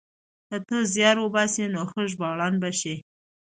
که ته زيار وباسې نو ښه ژباړن به شې.